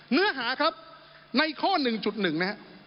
เนื้อหาครับในข้อ๑๑นะครับ